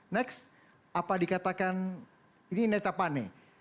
next apa dikatakan ini netapane